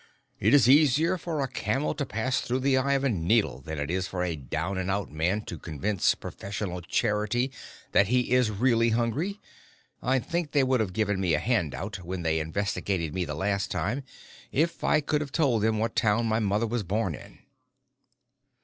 It is easier for a camel to pass through the eye of a needle than it is for a 'down and out' man to convince Professional Charity that he is really hungry. I think they would have given me a 'hand out' when they investigated me the last time if I could have told them what town my mother was born in."